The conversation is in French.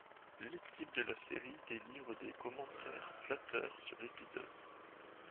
L'équipe de la série délivre des commentaires flatteurs sur l'épisode.